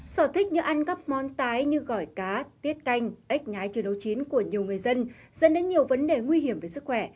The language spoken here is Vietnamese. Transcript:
sở thích như ăn cắp món tái như gỏi cá tiết canh ếch nhái chơi nấu chín của nhiều người dân dẫn đến nhiều vấn đề nguy hiểm về sức khỏe